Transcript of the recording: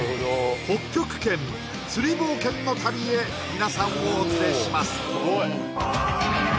北極圏釣り冒険の旅へ皆さんをお連れします